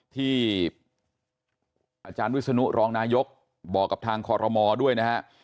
ที่อาจารย์วิศนุรองนายกบอกกับทางคอรมอด้วยนะฮะ